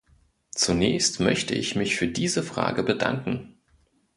Zunächst möchte ich mich für diese Frage bedanken.